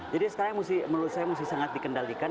jadi sekarang yang menurut saya harus sangat dikendalikan